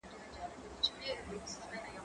زه به سبا ليکلي پاڼي ترتيب کوم!؟